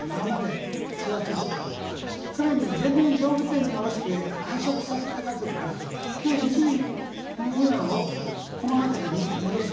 更に前年動物園に降ろして繁殖させた家族から計２２羽を駒ヶ岳に戻すことができました。